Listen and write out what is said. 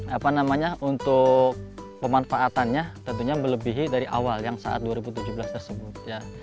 apa namanya untuk pemanfaatannya tentunya melebihi dari awal yang saat dua ribu tujuh belas tersebut ya